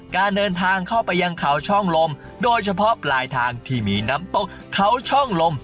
การเดินทางเข้าไปยังเขาช่องลมโดยเฉพาะปลายทางที่มีน้ำตกเขาช่องลม